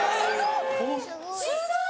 すごい。